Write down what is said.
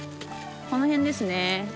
この辺ですね。